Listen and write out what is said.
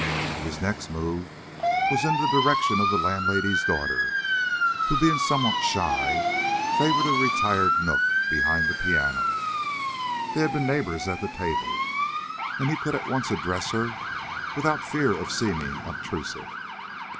His next move was in the direction of the landlady's daughter, who, being somewhat shy, favored a retired nook behind the piano. They had been neighbors at table, and he could at once address her without fear of seeming obtrusive.